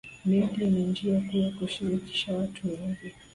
Media ni njia kuu ya kushirikisha watu wengi